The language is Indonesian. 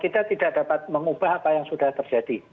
kita tidak dapat mengubah apa yang sudah terjadi